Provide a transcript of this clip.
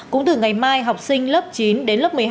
cũng từ ngày mai học sinh lớp chín đến lớp một mươi hai